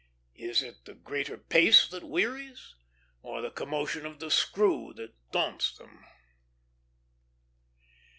Is it the greater pace that wearies, or the commotion of the screw that daunts them?